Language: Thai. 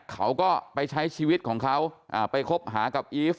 เขาก็ไปใช้ชีวิตของเขาไปคบหากับอีฟ